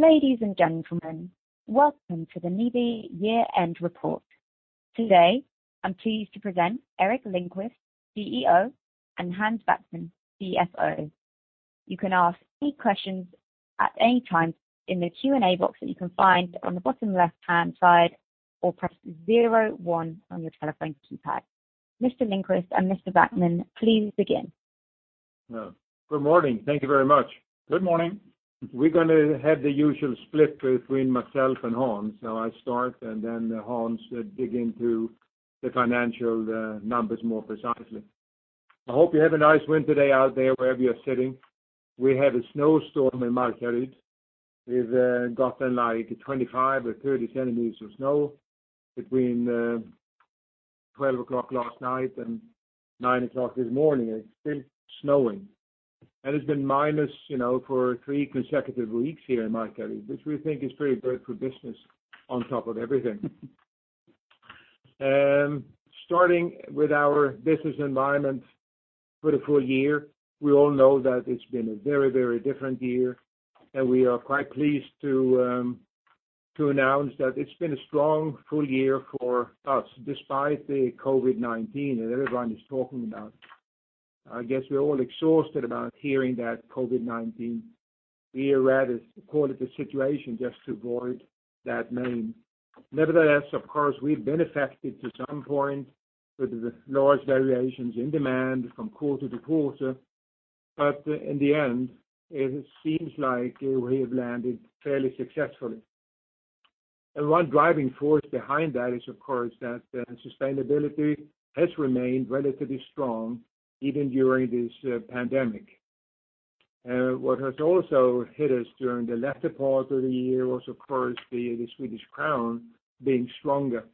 Ladies and gentlemen, welcome to the NIBE year-end report. Today, I'm pleased to present Eric Lindquist, CEO, and Hans Backman, CFO. You can ask any questions at any time in the Q&A box that you can find on the bottom left-hand side or press zero one on your telephone keypad. Mr. Lindquist and Mr. Backman, please begin. Good morning. Thank you very much. Good morning. We're going to have the usual split between myself and Hans. I start, Hans dig into the financial numbers more precisely. I hope you have a nice winter day out there, wherever you're sitting. We have a snowstorm in Markaryd. We've gotten 25 cm or 30 cm snow between 12:00 A.M. last night and 9:00 A.M. this morning. It's still snowing, it's been minus for three consecutive weeks here in Markaryd, which we think is pretty great for business on top of everything. Starting with our business environment for the full year. We all know that it's been a very, very different year, we are quite pleased to announce that it's been a strong full year for us despite the COVID-19 that everyone is talking about. I guess we're all exhausted about hearing that COVID-19. We rather call it the situation just to avoid that name. Nevertheless, of course, we've been affected to some point with the large variations in demand from quarter to quarter. In the end, it seems like we have landed fairly successfully. One driving force behind that is, of course, that sustainability has remained relatively strong even during this pandemic. What has also hit us during the latter part of the year was, of course, the Swedish crown being stronger.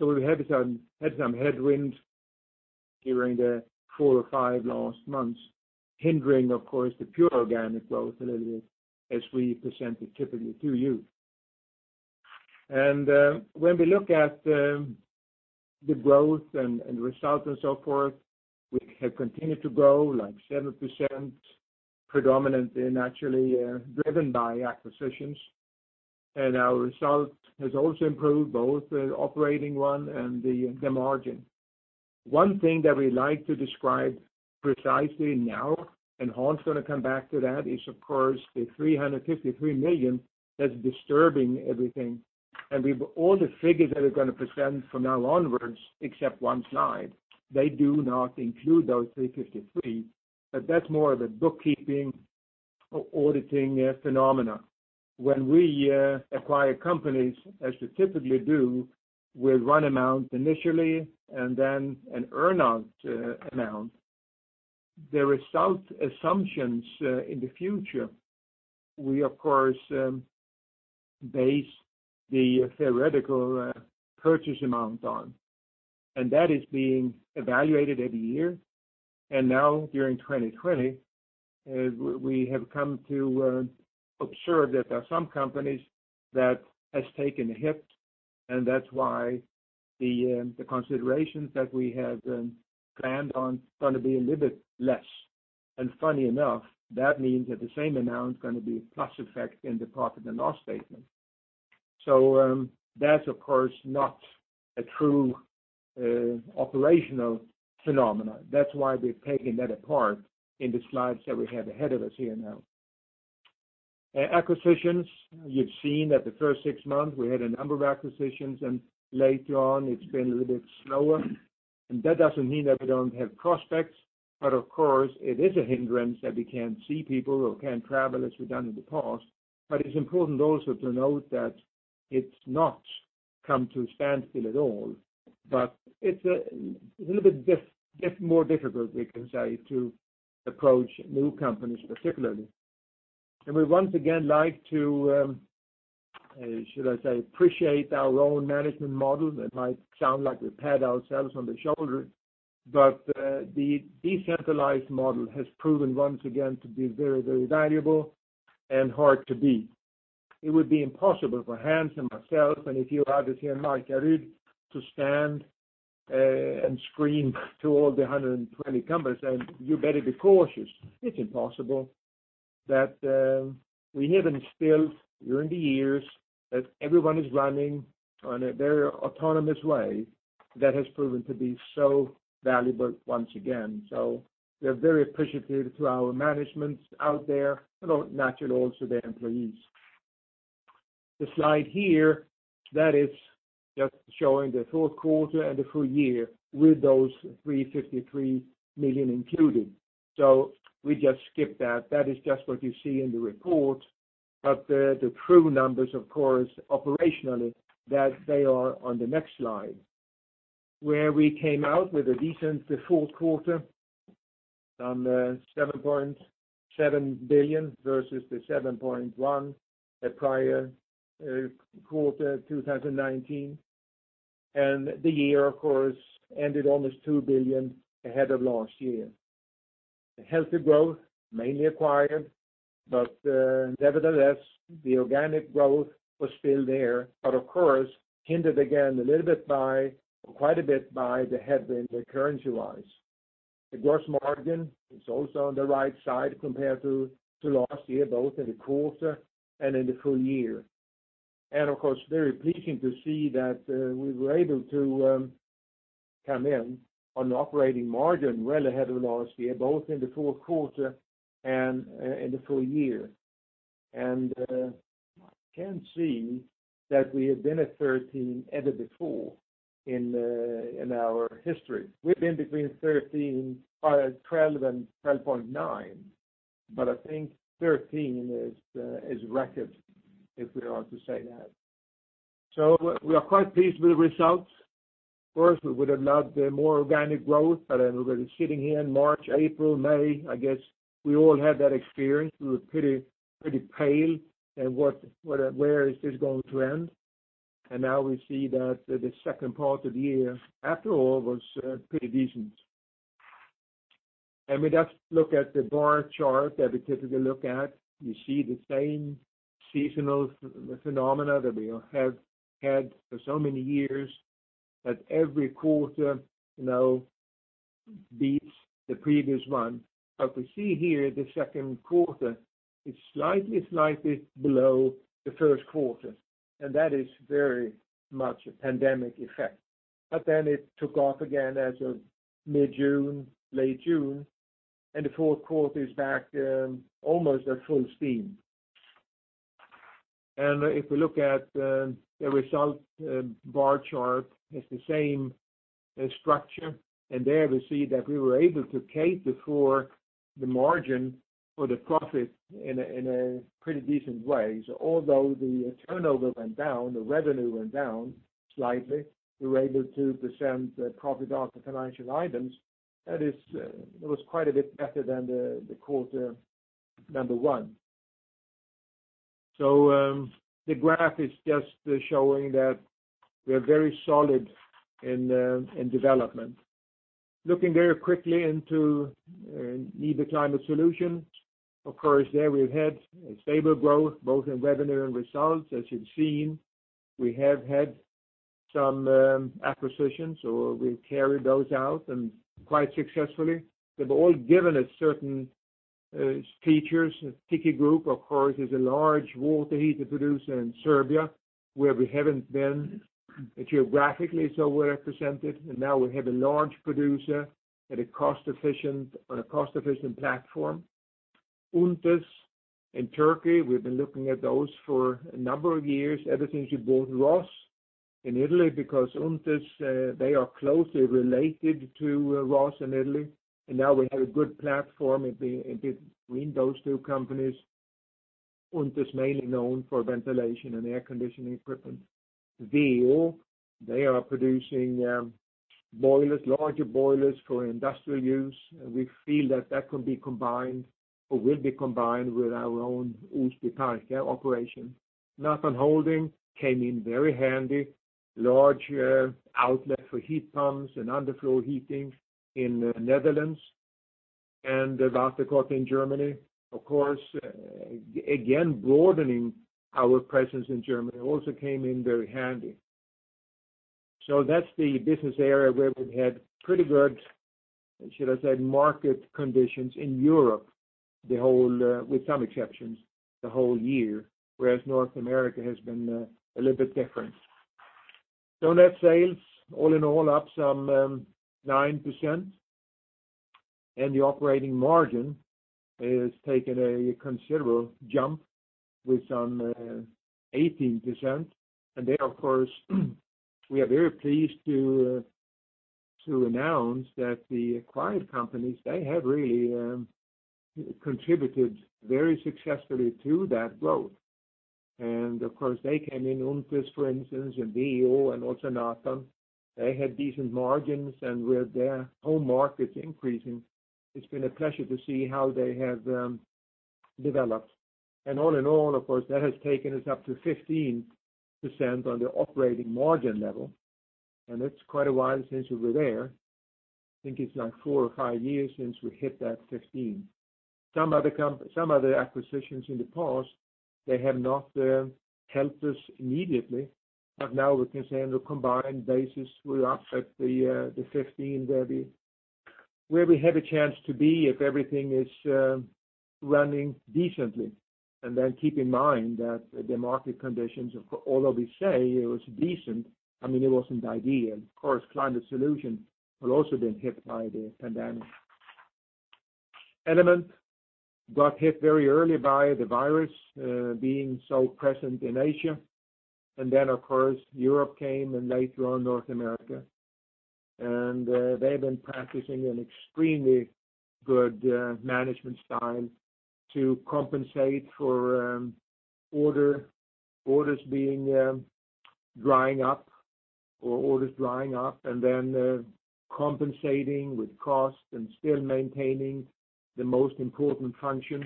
We had some headwinds during the four or five last months, hindering, of course, the pure organic growth a little bit as we present it typically to you. When we look at the growth and results and so forth, we have continued to grow 7%, predominantly and actually driven by acquisitions. Our result has also improved both the operating one and the margin. One thing that we like to describe precisely now, Hans going to come back to that, is of course, the 353 million that's disturbing everything. All the figures that we're going to present from now onwards, except one slide, they do not include those 353 million, that's more of a bookkeeping or auditing phenomena. When we acquire companies, as we typically do, we run amount initially and then an earn out amount. The result assumptions in the future, we, of course, base the theoretical purchase amount on, that is being evaluated every year. Now during 2020, we have come to observe that there are some companies that has taken a hit, that's why the considerations that we had planned on going to be a little bit less. Funny enough, that means that the same amount is going to be a plus effect in the profit and loss statement. That's, of course, not a true operational phenomenon. That's why we've taken that apart in the slides that we have ahead of us here now. Acquisitions, you've seen that the first six months we had a number of acquisitions, and later on it's been a little bit slower. That doesn't mean that we don't have prospects. Of course, it is a hindrance that we can't see people or can't travel as we've done in the past. It's important also to note that it's not come to a standstill at all, but it's a little bit more difficult, we can say, to approach new companies particularly. We once again like to, should I say, appreciate our own management model. That might sound like we pat ourselves on the shoulder, the decentralized model has proven once again to be very, very valuable and hard to beat. It would be impossible for Hans and myself, and a few others here in Markaryd to stand and scream to all the 120 companies, and you better be cautious. It's impossible. That we have instilled during the years that everyone is running on their autonomous way, that has proven to be so valuable once again. We are very appreciative to our managements out there, and naturally also the employees. The slide here, that is just showing the fourth quarter and the full year with those 353 million included. We just skip that. That is just what you see in the report. The true numbers, of course, operationally, that they are on the next slide, where we came out with a decent fourth quarter on 7.7 billion versus 7.1 billion the prior quarter 2019. The year, of course, ended almost 2 billion ahead of last year. A healthy growth, mainly acquired, but nevertheless, the organic growth was still there, but of course hindered again a little bit by, or quite a bit by the headwind currency-wise. The gross margin is also on the right side compared to last year, both in the quarter and in the full year. Of course, very pleasing to see that we were able to come in on operating margin well ahead of last year, both in the fourth quarter and in the full year. I can't see that we have been at 13% ever before in our history. We've been between 13% or 12% and 12.9%, but I think 13% is record, if we are to say that. We are quite pleased with the results. Of course, we would have loved more organic growth. Then we were sitting here in March, April, May, I guess we all had that experience. We were pretty pale, and where is this going to end? Now we see that the second part of the year, after all, was pretty decent. We just look at the bar chart that we typically look at. You see the same seasonal phenomena that we have had for so many years, that every quarter beats the previous one. We see here the second quarter is slightly below the first quarter, and that is very much a pandemic effect. It took off again as of mid-June, late June, and the fourth quarter is back almost at full steam. If we look at the result bar chart, it's the same structure. There we see that we were able to cater for the margin or the profit in a pretty decent way. Although the turnover went down, the revenue went down slightly, we were able to present the profit after financial items. That was quite a bit better than the quarter number one. The graph is just showing that we're very solid in development. Looking very quickly into NIBE Climate Solutions, of course, there we've had a stable growth, both in revenue and results, as you've seen. We have had some acquisitions, so we've carried those out and quite successfully. They've all given us certain features. TIKI Group, of course, is a large water heater producer in Serbia, where we haven't been geographically so well represented. Now we have a large producer on a cost-efficient platform. ÜNTES in Turkey, we've been looking at those for a number of years, ever since we bought Rhoss in Italy, because ÜNTES, they are closely related to Rhoss in Italy, and now we have a good platform between those two companies. ÜNTES, mainly known for ventilation and air conditioning equipment. VEÅ, they are producing larger boilers for industrial use. We feel that that could be combined or will be combined with our own Osby Parca operation. Nathan Holding came in very handy, large outlet for heat pumps and underfloor heating in the Netherlands and WATERKOTTE in Germany, of course, again, broadening our presence in Germany, also came in very handy. That's the business area where we've had pretty good market conditions in Europe, with some exceptions, the whole year, whereas North America has been a little bit different. Net sales, all in all, up some 9%, and the operating margin has taken a considerable jump with some 18%. There, of course, we are very pleased to announce that the acquired companies, they have really contributed very successfully to that growth. Of course, they came in, ÜNTES, for instance, and VEÅ and also Nathan, they had decent margins, and with their home markets increasing, it's been a pleasure to see how they have developed. All in all, of course, that has taken us up to 15% on the operating margin level, and it's quite a while since we were there. I think it's four or five years since we hit that 15%. Some other acquisitions in the past, they have not helped us immediately. Now we can say on a combined basis, we're up at the 15% where we have a chance to be if everything is running decently. Keep in mind that the market conditions, although we say it was decent, it wasn't ideal. Of course, Climate Solutions has also been hit by the pandemic. Element got hit very early by the virus being so present in Asia. Of course, Europe came, and later on, North America. They've been practicing an extremely good management style to compensate for orders drying up, then compensating with cost and still maintaining the most important functions.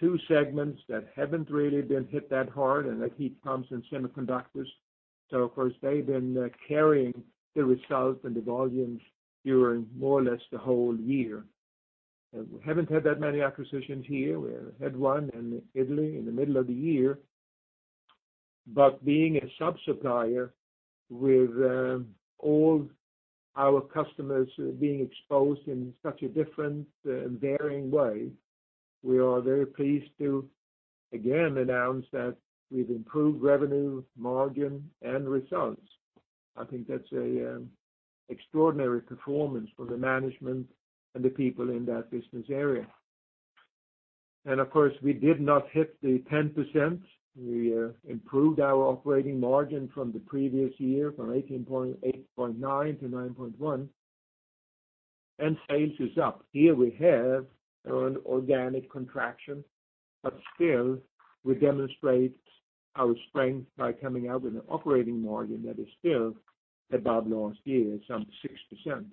Two segments that haven't really been hit that hard are the heat pumps and semiconductors. Of course, they've been carrying the results and the volumes during more or less the whole year. We haven't had that many acquisitions here. We had one in Italy in the middle of the year. Being a sub-supplier with all our customers being exposed in such a different and varying way, we are very pleased to again announce that we've improved revenue, margin, and results. I think that's a extraordinary performance for the management and the people in that business area. Of course, we did not hit the 10%. We improved our operating margin from the previous year from 8.9% to 9.1%, and sales is up. Here we have an organic contraction, but still we demonstrate our strength by coming out with an operating margin that is still above last year at some 6%.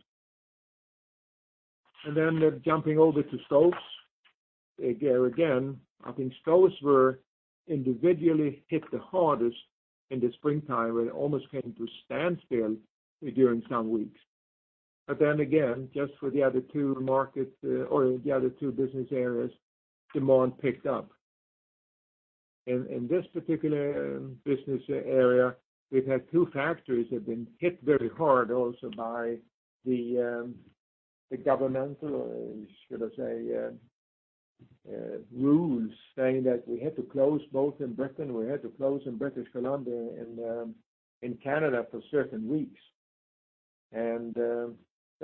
Jumping over to Stoves. I think Stoves were individually hit the hardest in the springtime where it almost came to a standstill during some weeks. Just for the other two business areas, demand picked up. In this particular business area, we've had two factories that have been hit very hard also by the governmental, should I say, rules saying that we had to close both in Britain, we had to close in British Columbia and in Canada for certain weeks.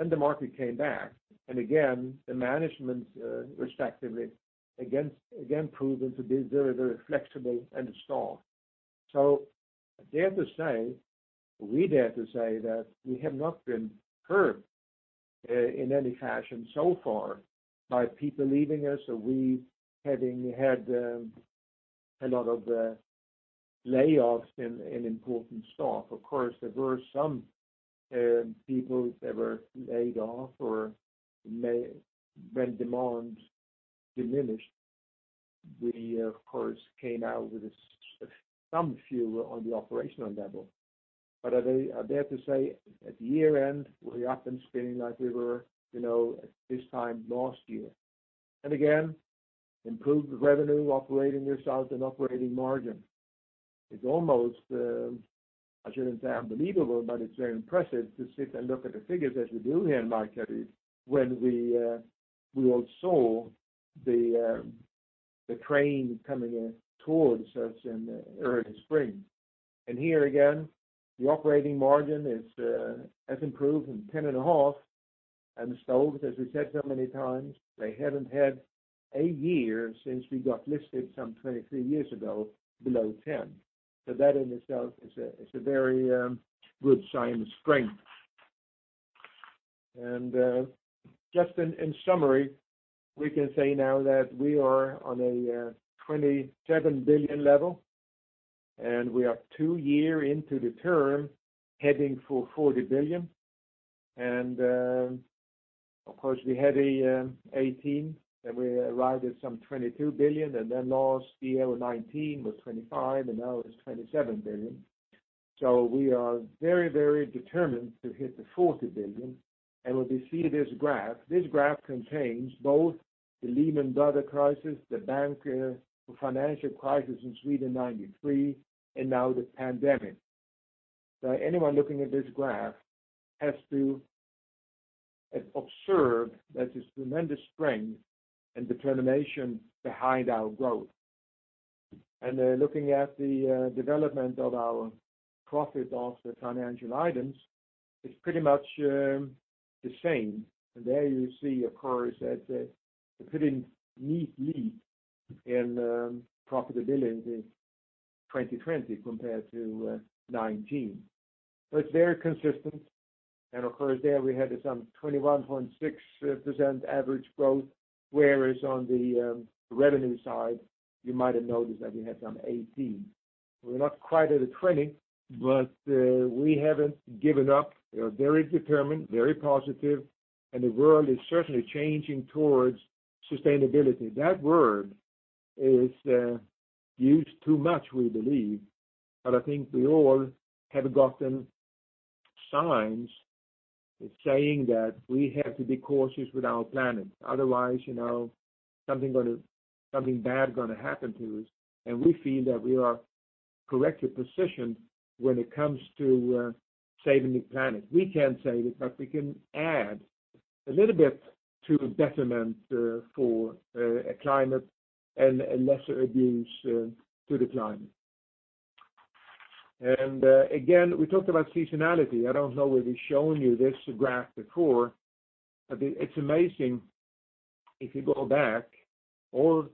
The market came back, and again, the management respectively, again proven to be very, very flexible and strong. I dare to say, we dare to say that we have not been hurt, in any fashion so far by people leaving us or we having had a lot of layoffs in important staff. There were some people that were laid off or when demand diminished, we of course came out with some fewer on the operational level. I dare to say at year-end, we are up and spinning like we were at this time last year. Improved revenue, operating results, and operating margin. It's almost, I shouldn't say unbelievable, but it's very impressive to sit and look at the figures as we do here in Markaryd when we all saw the train coming in towards us in early spring. Here again, the operating margin has improved from 10.5%, and Stoves, as we said so many times, they haven't had a year since we got listed some 23 years ago below 10%. That in itself is a very good sign of strength. Just in summary, we can say now that we are on a 27 billion level and we are two year into the term heading for 40 billion. Of course, we had 18 billion, then we arrived at some 22 billion, then last year 2019 was 25 billion, and now it's 27 billion. We are very determined to hit the 40 billion. When we see this graph, this graph contains both the Lehman Brothers crisis, the bank, financial crisis in Sweden 1993, and now the pandemic. Anyone looking at this graph has to observe that there's tremendous strength and determination behind our growth. Looking at the development of our profit after financial items, it's pretty much the same. There you see, of course, that it continued neatly in profitability in 2020 compared to 2019. Very consistent. Of course there we had some 21.6% average growth, whereas on the revenue side, you might have noticed that we had some 18%. We are not quite at a 20%. We have not given up. We are very determined, very positive. The world is certainly changing towards sustainability. That word is used too much, we believe. I think we all have gotten signs saying that we have to be cautious with our planet. Otherwise, something bad going to happen to us. We feel that we are correctly positioned when it comes to saving the planet. We cannot save it but we can add a little bit to betterment for a climate and a lesser abuse to the climate. Again, we talked about seasonality. I don't know if we've shown you this graph before, but it's amazing if you go back all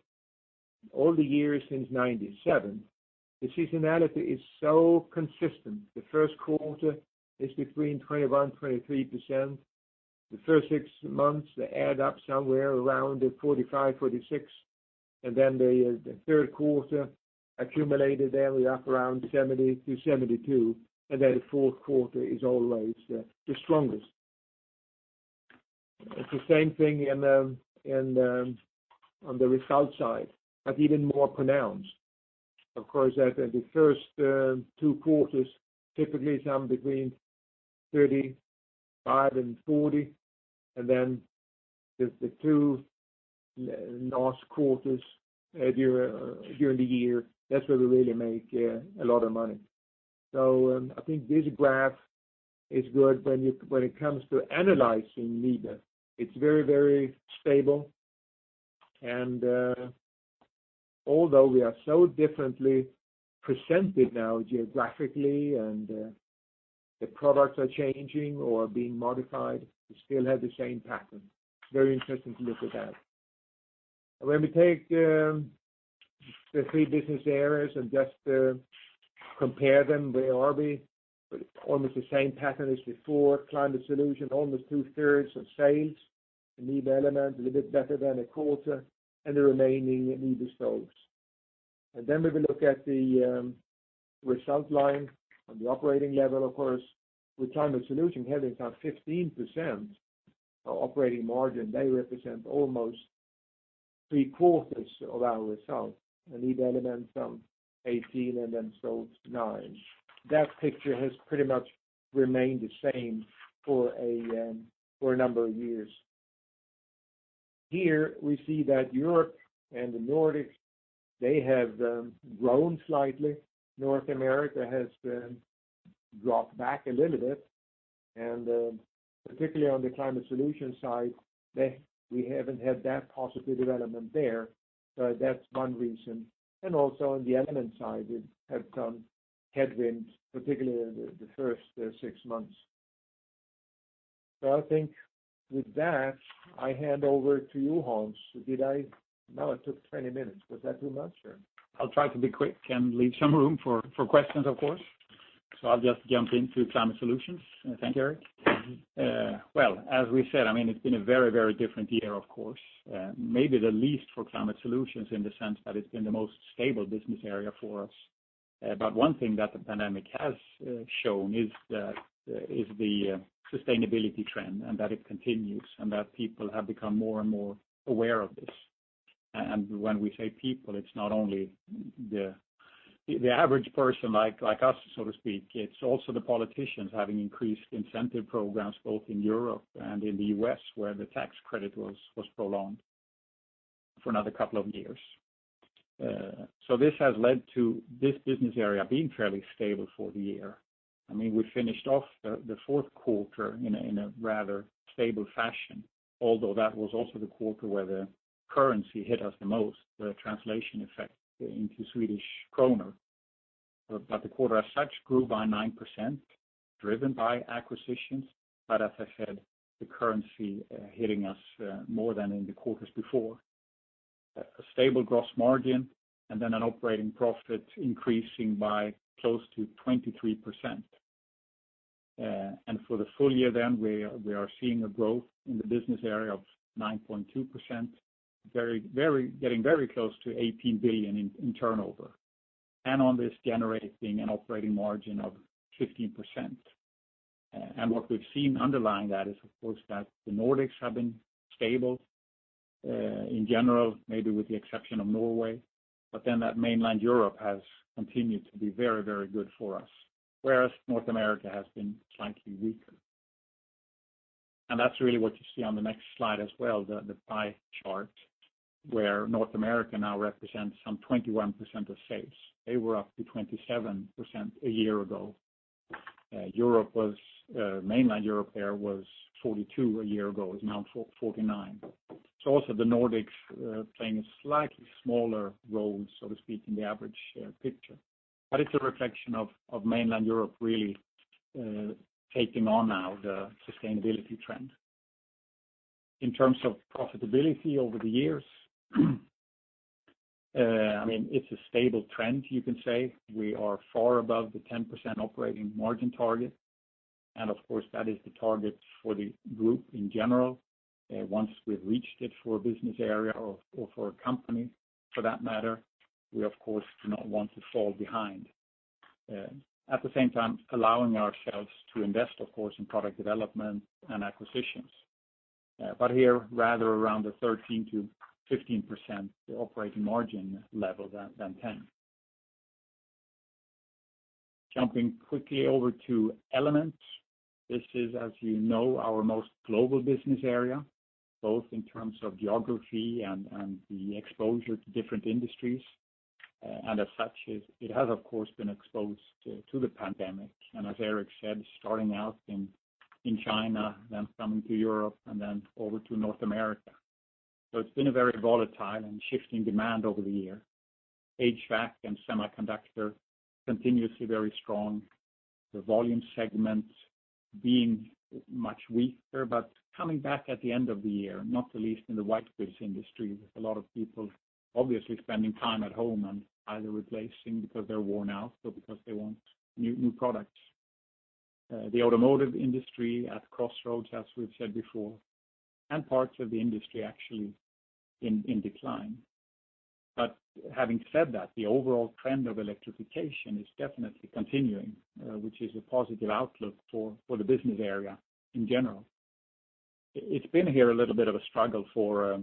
the years since 1997, the seasonality is so consistent. The first quarter is between 21%, 23%. The first six months, they add up somewhere around the 45%, 46%. Then the third quarter accumulated there, we're up around 70%-72%. Then fourth quarter is always the strongest. It's the same thing on the result side, but even more pronounced. Of course, the first two quarters, typically some between 35% and 40%, and then the two last quarters, during the year, that's where we really make a lot of money. I think this graph is good when it comes to analyzing NIBE. It's very very stable, although we are so differently presented now geographically, and the products are changing or being modified, we still have the same pattern. Very interesting to look at that. When we take the three business areas and just compare them, where are we? Almost the same pattern as before. Climate Solution, almost 2/3 of sales. NIBE Element, a little bit better than a quarter, and the remaining NIBE Stoves. We will look at the result line on the operating level, of course. With Climate Solution having some 15% operating margin, they represent almost 3/4 of our results. NIBE Element some 18%, and then Stoves 9%. That picture has pretty much remained the same for a number of years. Here we see that Europe and the Nordics, they have grown slightly. North America has dropped back a little bit, and particularly on the Climate Solution side, we haven't had that positive development there. That's one reason. Also on the Element side, we have some headwinds, particularly in the first six months. I think with that, I hand over to you, Hans. Did I - now it took 20 minutes. Was that too much? I'll try to be quick and leave some room for questions, of course. I'll just jump into Climate Solutions. Thank you, Eric. As we said, it's been a very different year, of course. Maybe the least for Climate Solutions in the sense that it's been the most stable business area for us. One thing that the pandemic has shown is the sustainability trend, and that it continues, and that people have become more and more aware of this. When we say people, it's not only the average person like us, so to speak. It's also the politicians having increased incentive programs both in Europe and in the U.S., where the tax credit was prolonged for another couple of years. This has led to this business area being fairly stable for the year. We finished off the fourth quarter in a rather stable fashion, although that was also the quarter where the currency hit us the most, the translation effect into Swedish krona. The quarter as such grew by 9%, driven by acquisitions. As I said, the currency hitting us more than in the quarters before. A stable gross margin, an operating profit increasing by close to 23%. For the full year, we are seeing a growth in the business area of 9.2%, getting very close to 18 billion in turnover. On this generating an operating margin of 15%. What we've seen underlying that is, of course, that the Nordics have been stable in general, maybe with the exception of Norway. That mainland Europe has continued to be very good for us, whereas North America has been slightly weaker. That's really what you see on the next slide as well, the pie chart, where North America now represents some 21% of sales. They were up to 27% a year ago. Mainland Europe there was 42% a year ago, is now 49%. Also the Nordics playing a slightly smaller role, so to speak, in the average picture. It's a reflection of Mainland Europe really taking on now the sustainability trend. In terms of profitability over the years, it's a stable trend, you can say. We are far above the 10% operating margin target, and of course, that is the target for the group in general. Once we've reached it for a business area or for a company for that matter, we of course do not want to fall behind, at the same time allowing ourselves to invest, of course, in product development and acquisitions. Here, rather around the 13%-15% operating margin level than 10%. Jumping quickly over to Elements. This is, as you know, our most global business area, both in terms of geography and the exposure to different industries. As such, it has, of course, been exposed to the pandemic. As Eric said, starting out in China, then coming to Europe, then over to North America. It's been a very volatile and shifting demand over the year. HVAC and semiconductor continuously very strong. The volume segment being much weaker, but coming back at the end of the year, not the least in the white goods industry, with a lot of people obviously spending time at home and either replacing because they're worn out or because they want new products. The automotive industry at crossroads, as we've said before, and parts of the industry actually in decline. Having said that, the overall trend of electrification is definitely continuing, which is a positive outlook for the business area in general. It's been here a little bit of a struggle for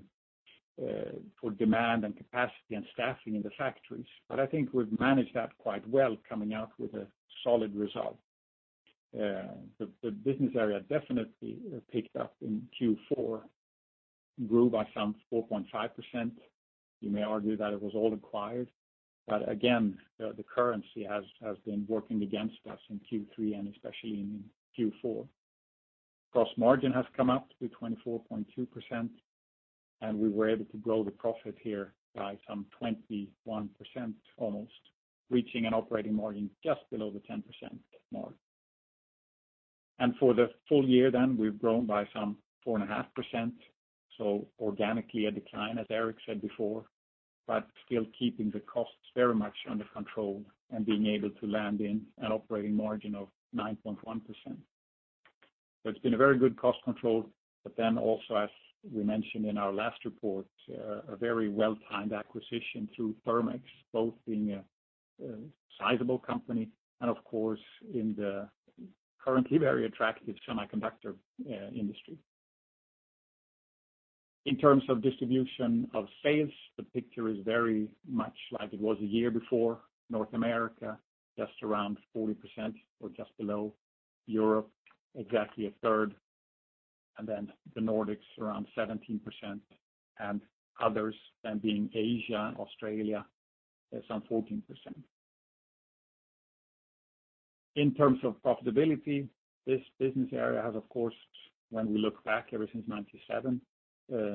demand and capacity and staffing in the factories. I think we've managed that quite well, coming out with a solid result. The business area definitely picked up in Q4, grew by some 4.5%. You may argue that it was all acquired, but again, the currency has been working against us in Q3 and especially in Q4. Gross margin has come up to 24.2%, and we were able to grow the profit here by some 21%, almost reaching an operating margin just below the 10% mark. For the full year then, we've grown by some 4.5%. Organically a decline, as Eric said before, but still keeping the costs very much under control and being able to land in an operating margin of 9.1%. It's been a very good cost control. Also, as we mentioned in our last report, a very well-timed acquisition through Therm-X, both being a sizable company and of course in the currently very attractive semiconductor industry. In terms of distribution of sales, the picture is very much like it was a year before. North America, just around 40% or just below Europe, exactly 1/3, and then the Nordics around 17%, and others then being Asia and Australia at some 14%. In terms of profitability, this business area has, of course, when we look back ever since 1997,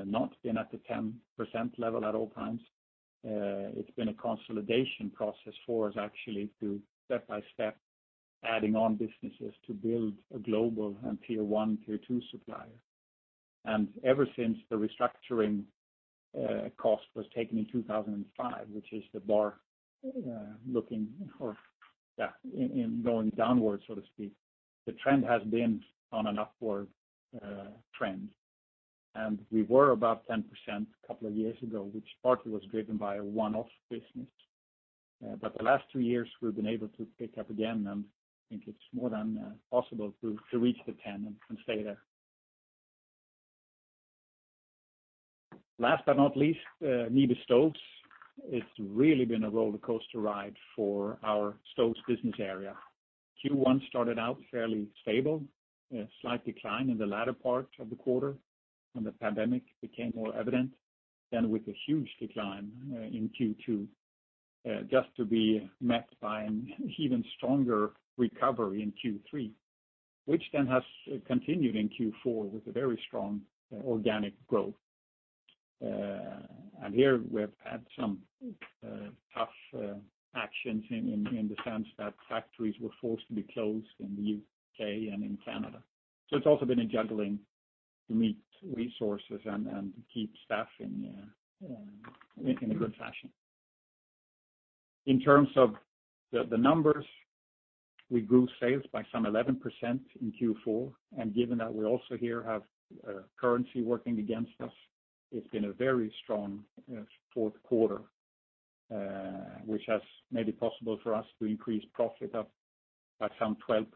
not been at the 10% level at all times. It's been a consolidation process for us actually to step by step adding on businesses to build a global and tier 1, tier 2 supplier. Ever since the restructuring cost was taken in 2005, which is the bar going downward, so to speak, the trend has been on an upward trend. We were above 10% a couple of years ago, which partly was driven by a one-off business. The last two years, we've been able to pick up again, and I think it's more than possible to reach the 10% and stay there. Last but not least NIBE Stoves. It's really been a roller coaster ride for our Stoves business area. Q1 started out fairly stable, a slight decline in the latter part of the quarter when the pandemic became more evident. With a huge decline in Q2, just to be met by an even stronger recovery in Q3, which then has continued in Q4 with a very strong organic growth. Here, we've had some tough actions in the sense that factories were forced to be closed in the U.K. and in Canada. It's also been a juggling to meet resources and to keep staff in a good fashion. In terms of the numbers, we grew sales by some 11% in Q4. Given that we also here have currency working against us, it's been a very strong fourth quarter, which has made it possible for us to increase profit up by some 12%,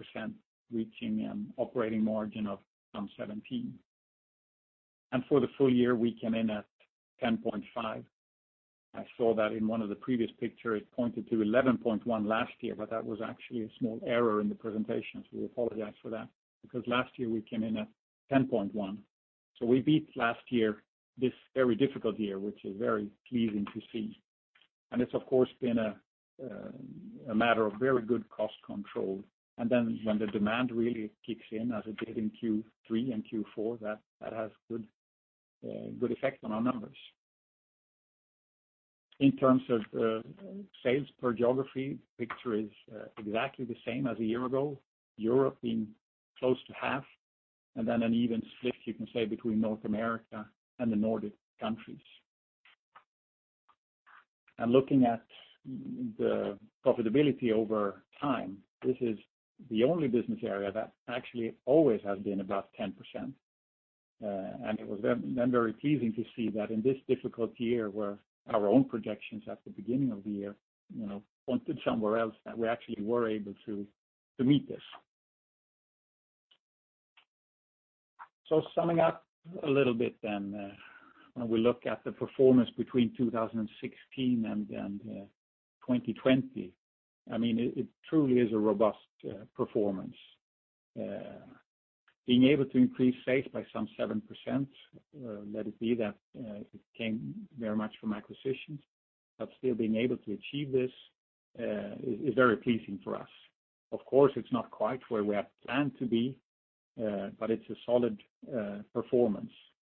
reaching an operating margin of some 17%. For the full year, we came in at 10.5%. I saw that in one of the previous pictures it pointed to 11.1% last year. That was actually a small error in the presentation. We apologize for that. Last year we came in at 10.1%. We beat last year, this very difficult year, which is very pleasing to see. It's of course, been a matter of very good cost control. When the demand really kicks in as it did in Q3 and Q4, that has good effect on our numbers. In terms of sales per geography, the picture is exactly the same as a year ago. Europe being close to half, an even split you can say between North America and the Nordic countries. Looking at the profitability over time, this is the only business area that actually always has been above 10%. It was then very pleasing to see that in this difficult year where our own projections at the beginning of the year pointed somewhere else, that we actually were able to meet this. Summing up a little bit then, when we look at the performance between 2016 and 2020, it truly is a robust performance. Being able to increase sales by some 7%, let it be that it came very much from acquisitions, but still being able to achieve this is very pleasing for us. Of course, it's not quite where we have planned to be, but it's a solid performance.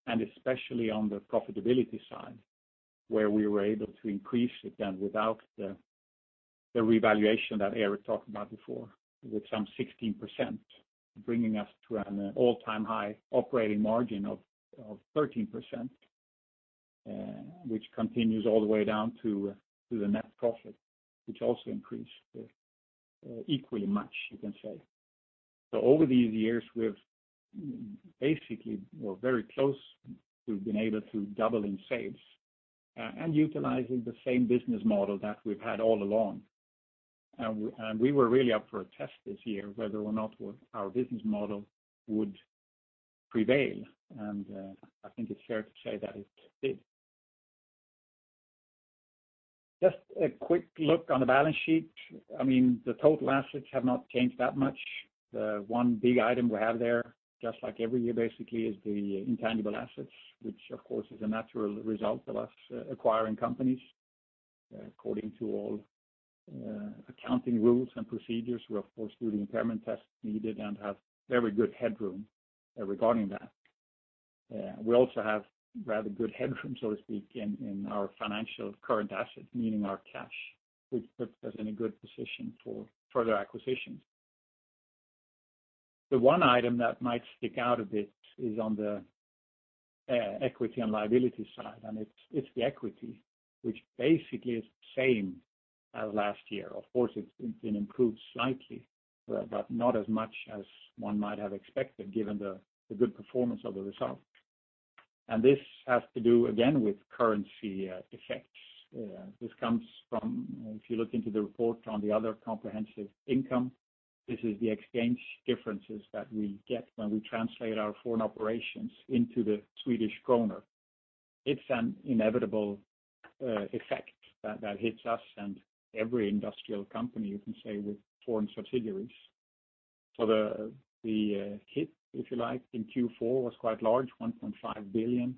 Especially on the profitability side, where we were able to increase it then without the revaluation that Eric talked about before, with some 16%, bringing us to an all-time high operating margin of 13%, which continues all the way down to the net profit, which also increased equally much you can say. Over these years we've basically, or very close, we've been able to double in sales and utilizing the same business model that we've had all along. We were really up for a test this year, whether or not our business model would prevail, and I think it's fair to say that it did. Just a quick look on the balance sheet. The total assets have not changed that much. The one big item we have there, just like every year basically, is the intangible assets, which of course is a natural result of us acquiring companies according to all accounting rules and procedures. We, of course, do the impairment tests needed and have very good headroom regarding that. We also have rather good headroom, so to speak, in our financial current assets, meaning our cash, which puts us in a good position for further acquisitions. The one item that might stick out a bit is on the equity and liability side, and it's the equity, which basically is the same as last year. Of course, it's been improved slightly, but not as much as one might have expected given the good performance of the results. This has to do, again, with currency effects. This comes from, if you look into the report on the other comprehensive income, this is the exchange differences that we get when we translate our foreign operations into the Swedish krona. It's an inevitable effect that hits us and every industrial company, you can say, with foreign subsidiaries. The hit, if you like, in Q4 was quite large, 1.5 billion,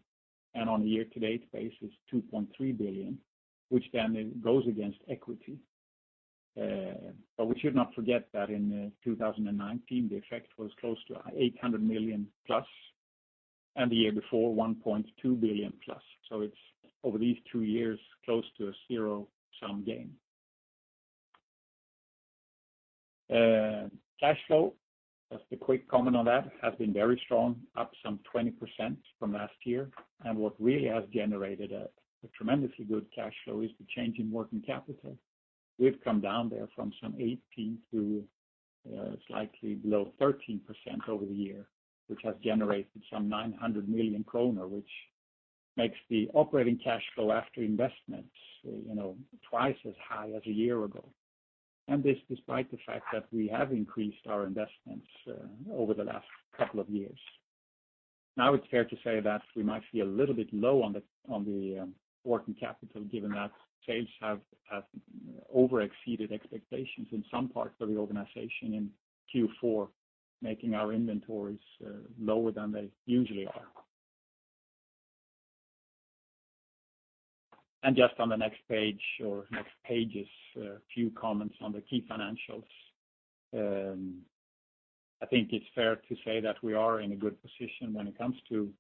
and on a year-to-date basis, 2.3 billion, which then goes against equity. We should not forget that in 2019, the effect was close to 800 million plus, and the year before, 1.2 billion plus. It's over these two years, close to a zero-sum game. Cash flow, just a quick comment on that, has been very strong, up some 20% from last year. What really has generated a tremendously good cash flow is the change in working capital. We've come down there from some 18% to slightly below 13% over the year, which has generated some 900 million kronor, which makes the operating cash flow after investments twice as high as a year ago. This despite the fact that we have increased our investments over the last couple of years. It's fair to say that we might be a little bit low on the working capital given that sales have over exceeded expectations in some parts of the organization in Q4, making our inventories lower than they usually are. Just on the next page or next pages, a few comments on the key financials. I think it's fair to say that we are in a good position when it comes to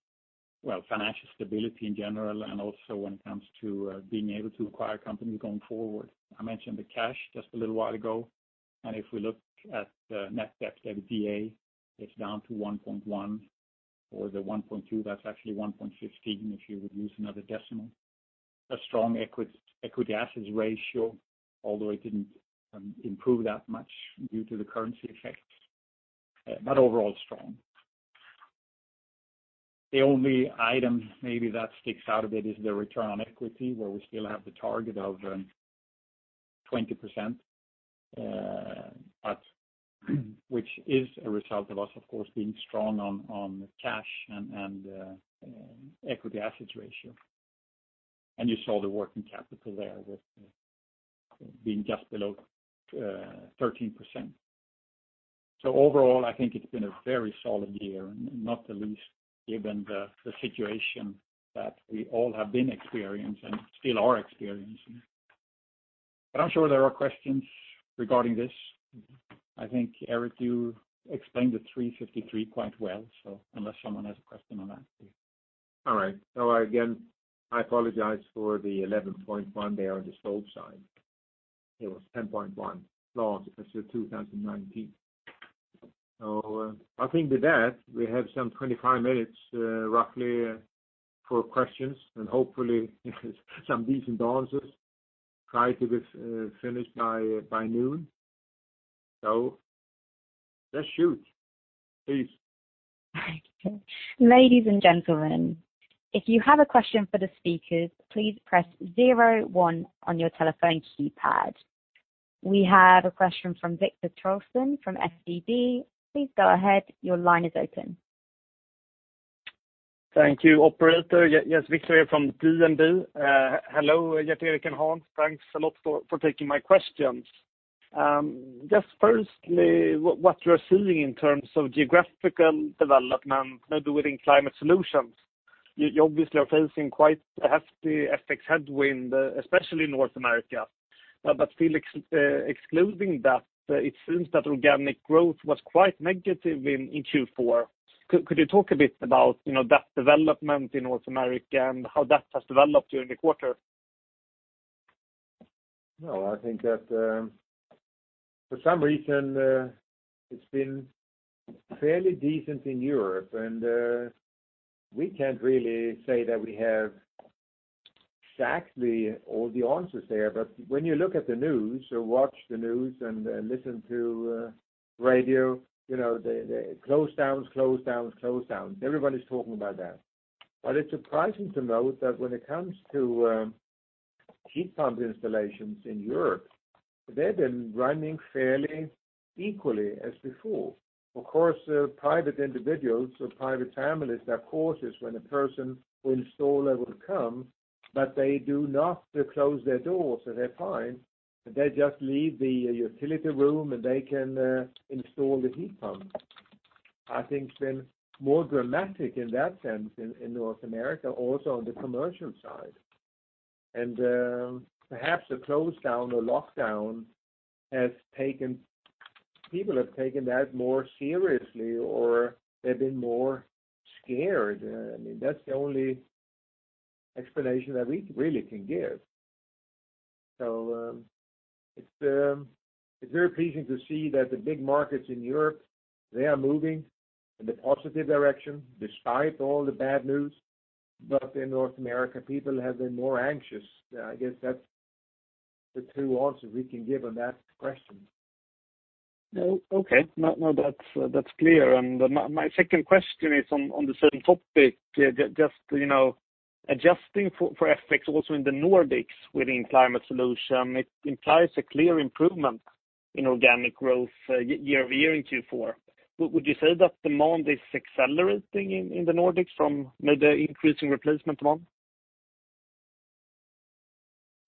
financial stability in general, and also when it comes to being able to acquire companies going forward. I mentioned the cash just a little while ago. If we look at the net debt to EBITDA, it's down to 1.1x or the 1.2x. That's actually 1.15x if you would use another decimal. A strong equity assets ratio, although it didn't improve that much due to the currency effects, but overall strong. The only item maybe that sticks out a bit is the return on equity, where we still have the target of 20%, which is a result of us, of course, being strong on cash and equity assets ratio. You saw the working capital there being just below 13%. Overall, I think it's been a very solid year, not the least given the situation that we all have been experiencing and still are experiencing. I'm sure there are questions regarding this. I think, Eric, you explained the 353 million quite well, so unless someone has a question on that. All right. Again, I apologize for the 11.1% there on the sold side. It was 10.1%, no, because of 2019. I think with that, we have some 25 minutes roughly for questions and hopefully some decent answers. Try to get finished by 12:00 P.M. Just shoot, please. Ladies and gentlemen, if you have a question for the speakers, please press zero one on your telephone keypad. We have a question from Viktor Trollsten from SEB. Please go ahead. Your line is open. Thank you, operator. Yes, Viktor here from DNB. Hello, Gerteric and Hans. Thanks a lot for taking my questions. Just firstly, what you're seeing in terms of geographical development within Climate Solutions, you obviously are facing quite a hefty FX headwind, especially in North America. Still excluding that, it seems that organic growth was quite negative in Q4. Could you talk a bit about that development in North America and how that has developed during the quarter? I think that for some reason, it's been fairly decent in Europe, and we can't really say that we have exactly all the answers there. When you look at the news or watch the news and listen to radio, closedowns, closedowns, closedowns. Everybody's talking about that. It's surprising to note that when it comes to heat pump installations in Europe, they've been running fairly equally as before. Of course, private individuals or private families, there are quarters when a person or installer will come, but they do not close their doors, so they're fine. They just leave the utility room, and they can install the heat pump. I think it's been more dramatic in that sense in North America, also on the commercial side. Perhaps the closedown or lockdown, people have taken that more seriously, or they've been more scared. That's the only explanation that we really can give. It's very pleasing to see that the big markets in Europe, they are moving in the positive direction despite all the bad news. In North America, people have been more anxious. I guess that's the two answers we can give on that question. Okay. No, that's clear. My second question is on the same topic. Just adjusting for FX also in the Nordics within Climate Solution, it implies a clear improvement in organic growth year-over-year in Q4. Would you say that demand is accelerating in the Nordics from maybe increasing replacement demand?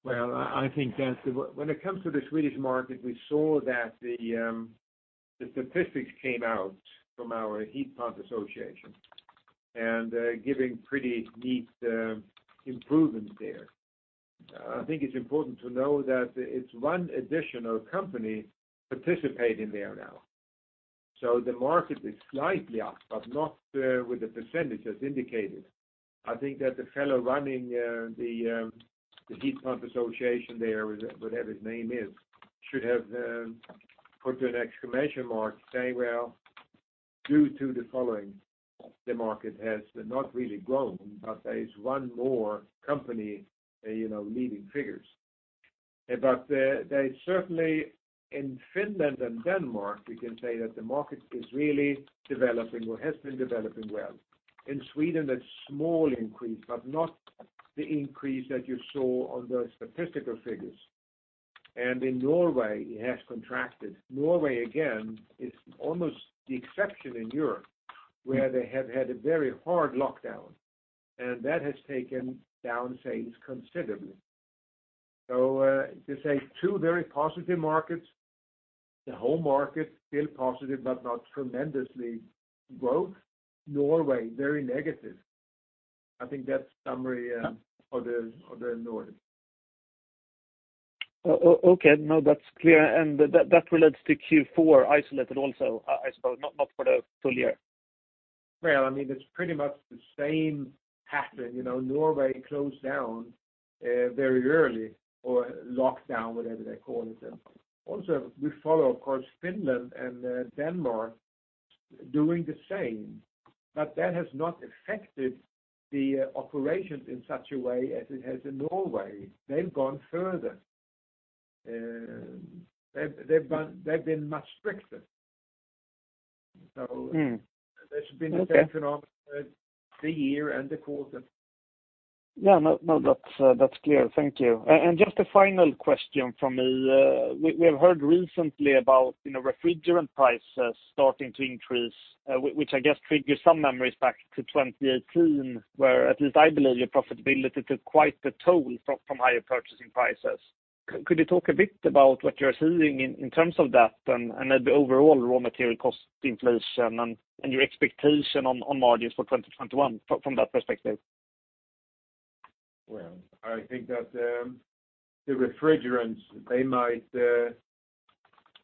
Well, when it comes to the Swedish market, we saw that the statistics came out from our heat pump association, and giving pretty neat improvements there. I think it's important to know that it's one additional company participating there now. The market is slightly up, but not with the percentage as indicated. I think that the fellow running the heat pump association there, whatever his name is, should have put an exclamation mark saying, "Well, due to the following, the market has not really grown, but there is one more company leading figures." Certainly, in Finland and Denmark, we can say that the market is really developing or has been developing well. In Sweden, a small increase, but not the increase that you saw on the statistical figures. In Norway, it has contracted. Norway, again, is almost the exception in Europe, where they have had a very hard lockdown, and that has taken down sales considerably. To say two very positive markets. The whole market still positive but not tremendously growth. Norway, very negative. I think that's summary of the Nordics. Okay. No, that is clear. That relates to Q4 isolated also, I suppose, not for the full year? Well, it's pretty much the same pattern. Norway closed down very early or locked down, whatever they call it. Also, we follow, of course, Finland and Denmark doing the same, but that has not affected the operations in such a way as it has in Norway. They've gone further. They've been much stricter. Okay. There's been a difference the year and the quarter. Yeah. No, that's clear. Thank you. Just a final question from me. We've heard recently about refrigerant prices starting to increase, which I guess triggers some memories back to 2018, where at least I believe your profitability took quite the toll from higher purchasing prices. Could you talk a bit about what you're seeing in terms of that and maybe overall raw material cost inflation and your expectation on margins for 2021 from that perspective? Well, I think that the refrigerants, they might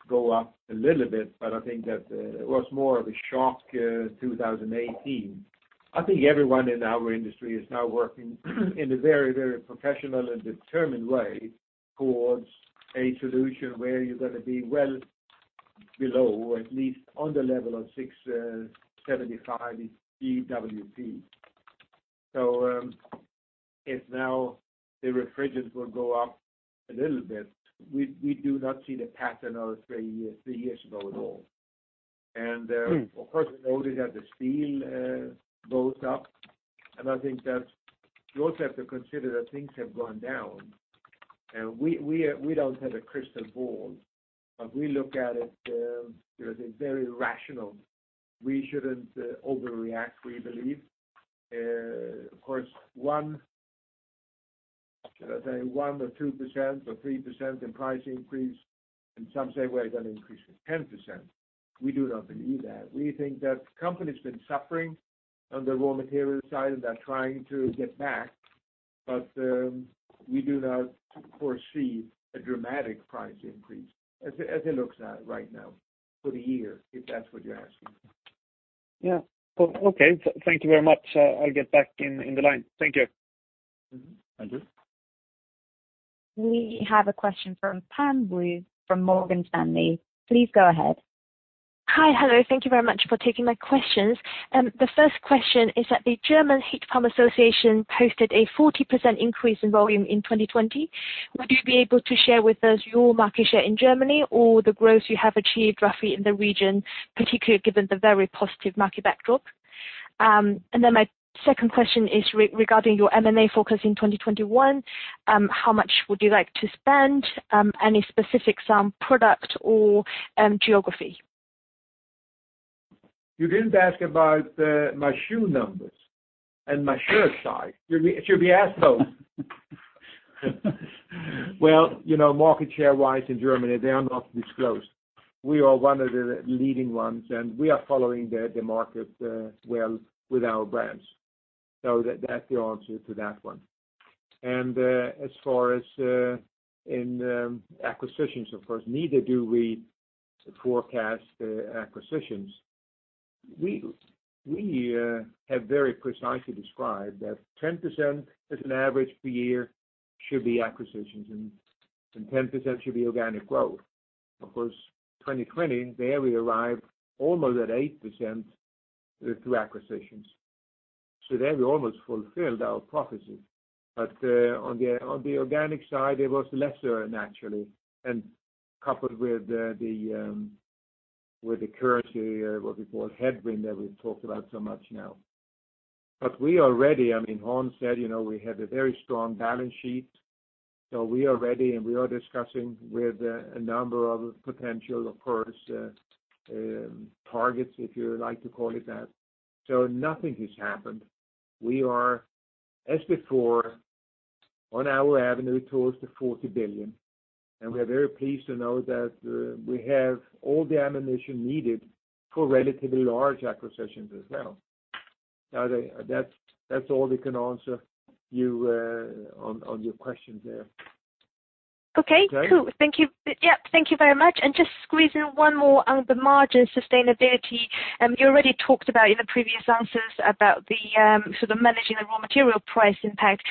go up a little bit, but I think that it was more of a shock, 2018. I think everyone in our industry is now working in a very professional and determined way towards a solution where you're going to be well below or at least on the level of 675 GWP. If now the refrigerants will go up a little bit, we do not see the pattern of three years ago at all. Of course, we already have the steel goes up, and I think that you also have to consider that things have gone down. We don't have a crystal ball, but we look at it, I think, very rational. We shouldn't overreact, we believe. Of course, 1% or 2% or 3% in price increase, and some say, "Well, it's going to increase to 10%." We do not believe that. We think that companies have been suffering on the raw material side, and they're trying to get back. We do not foresee a dramatic price increase as it looks right now for the year, if that's what you're asking. Yeah. Okay. Thank you very much. I'll get back in the line. Thank you. Mm-hmm. Thank you. We have a question from Pam Liu from Morgan Stanley. Please go ahead. Hi. Hello. Thank you very much for taking my questions. The first question is that the German Heat Pump Association posted a 40% increase in volume in 2020. Would you be able to share with us your market share in Germany or the growth you have achieved roughly in the region, particularly given the very positive market backdrop? My second question is regarding your M&A focus in 2021. How much would you like to spend? Any specific product or geography? You didn't ask about my shoe numbers and my shirt size. You should be asked both. Market share-wise in Germany, they are not disclosed. We are one of the leading ones, and we are following the market well with our brands. That's the answer to that one. As far as in acquisitions, of course, neither do we forecast acquisitions. We have very precisely described that 10% as an average per year should be acquisitions, and 10% should be organic growth. Of course, 2020, there we arrived almost at 8% through acquisitions. There, we almost fulfilled our prophecy. On the organic side, it was lesser, naturally, and coupled with the currency, what we call a headwind, that we've talked about so much now. We are ready. Hans said we have a very strong balance sheet, so we are ready and we are discussing with a number of potential, of course, targets, if you like to call it that. Nothing has happened. We are, as before, on our avenue towards the 40 billion, and we are very pleased to know that we have all the ammunition needed for relatively large acquisitions as well. That's all we can answer you on your questions there. Okay. Okay? Cool. Thank you. Yeah. Thank you very much. Just squeeze in one more on the margin sustainability. You already talked about in the previous answers about the managing the raw material price impact.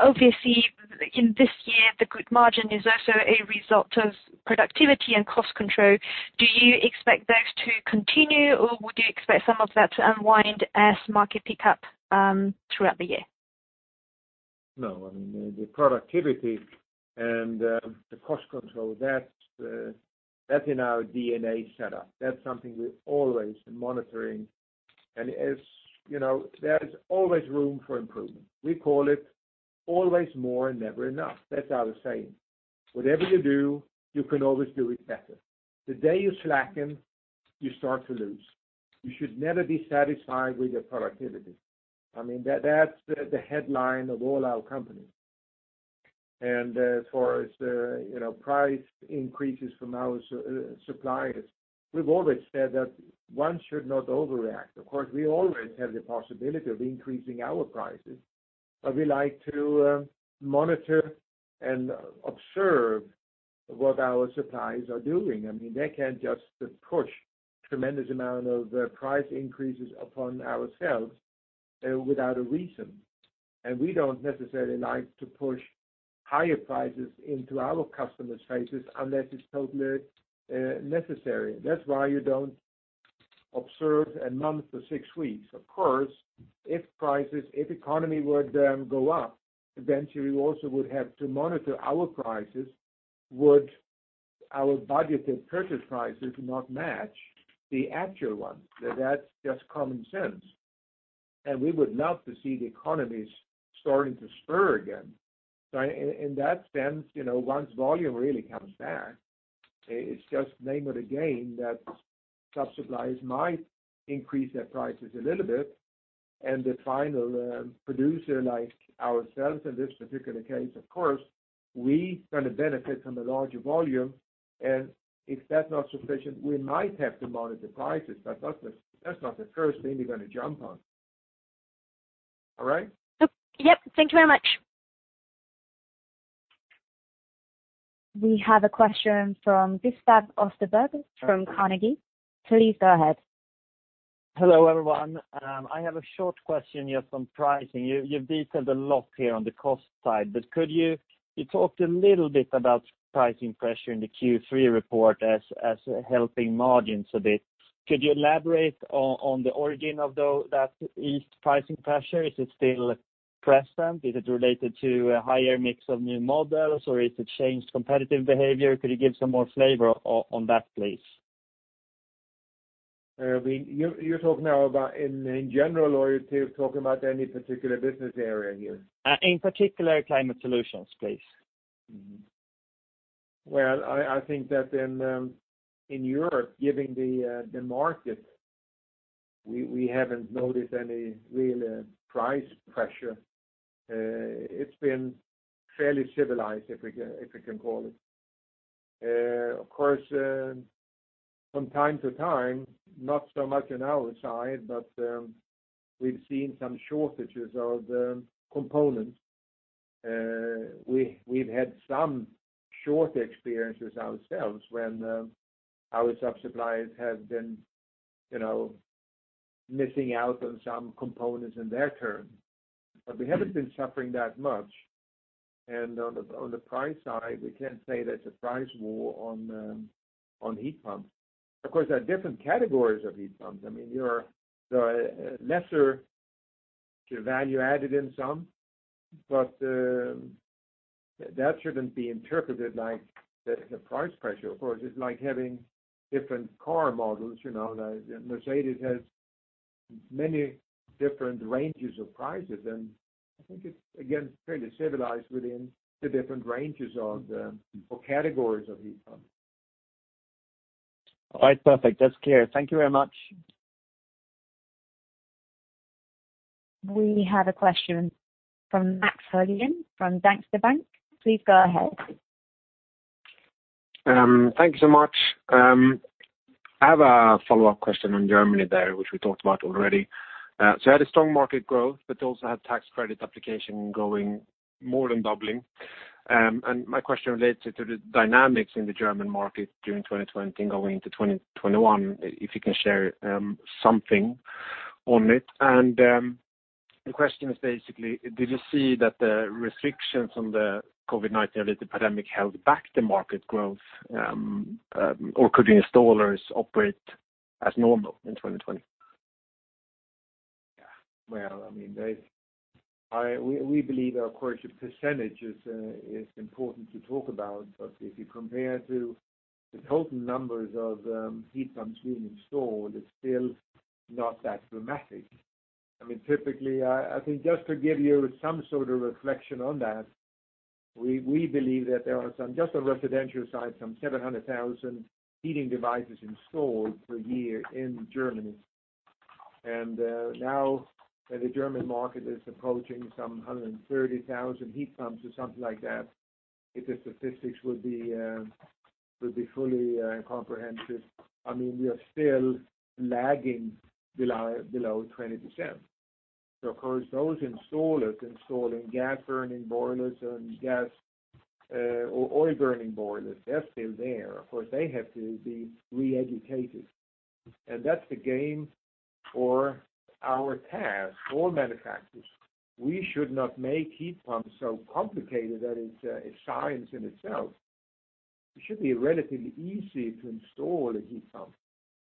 Obviously, in this year, the good margin is also a result of productivity and cost control. Do you expect those to continue, or would you expect some of that to unwind as market pick up throughout the year? The productivity and the cost control, that's in our DNA set up. That's something we've always been monitoring. There is always room for improvement. We call it always more and never enough. That's our saying. Whatever you do, you can always do it better. The day you slacken, you start to lose. You should never be satisfied with your productivity. That's the headline of all our companies. As far as price increases from our suppliers, we've always said that one should not overreact. Of course, we always have the possibility of increasing our prices, but we like to monitor and observe what our suppliers are doing. They can't just push a tremendous amount of price increases upon ourselves without a reason. We don't necessarily like to push higher prices into our customers' faces unless it's totally necessary. That's why you don't observe a month or six weeks. Of course, if prices, if economy were to go up, eventually we also would have to monitor our prices. Would our budgeted purchase prices not match the actual ones? That's just common sense. We would love to see the economies starting to spur again. In that sense, once volume really comes back, it's just name of the game that sub-suppliers might increase their prices a little bit, and the final producer, like ourselves in this particular case, of course, we're going to benefit from the larger volume. If that's not sufficient, we might have to monitor prices, but that's not the first thing we're going to jump on. All right? Yep. Thank you very much. We have a question from Gustav Österberg from Carnegie. Please go ahead. Hello, everyone. I have a short question here on pricing. You've detailed a lot here on the cost side, but you talked a little bit about pricing pressure in the Q3 report as helping margins a bit. Could you elaborate on the origin of that ease pricing pressure? Is it still present? Is it related to a higher mix of new models, or is it changed competitive behavior? Could you give some more flavor on that, please? You're talking now about in general, or you're talking about any particular business area here? In particular, Climate Solutions, please. Well, I think that in Europe, given the market, we haven't noticed any real price pressure. It's been fairly civilized, if we can call it. Of course, from time to time, not so much on our side, but we've seen some shortages of components. We've had some short experiences ourselves when our sub-suppliers have been missing out on some components in their turn. We haven't been suffering that much. On the price side, we can't say there's a price war on heat pumps. Of course, there are different categories of heat pumps. The lesser value added in some, but that shouldn't be interpreted like the price pressure. Of course, it's like having different car models. Mercedes has many different ranges of prices, and I think it's, again, fairly civilized within the different ranges or categories of heat pumps. All right. Perfect. That's clear. Thank you very much. We have a question from Max Frydén from Danske Bank. Please go ahead. Thank you so much. I have a follow-up question on Germany there, which we talked about already. You had a strong market growth, but also had tax credit application going more than doubling. My question relates to the dynamics in the German market during 2020 and going into 2021, if you can share something on it. The question is basically, did you see that the restrictions on the COVID-19 related pandemic held back the market growth, or could the installers operate as normal in 2020? Yeah. We believe, of course, the percentage is important to talk about, but if you compare to the total numbers of heat pumps being installed, it's still not that dramatic. I think just to give you some sort of reflection on that, we believe that there are some, just on the residential side, some 700,000 heating devices installed per year in Germany. Now that the German market is approaching some 130,000 heat pumps or something like that, if the statistics would be fully comprehensive, we are still lagging below 20%. Of course, those installers installing gas burning boilers and gas or oil burning boilers, they're still there. Of course, they have to be re-educated. That's the game for our task. All manufacturers. We should not make heat pumps so complicated that it's a science in itself. It should be relatively easy to install a heat pump,